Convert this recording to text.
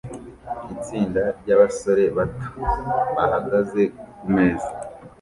Itsinda ryabasore bato bahagaze kumeza